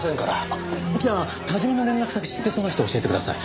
あっじゃあ田島の連絡先知ってそうな人教えてください。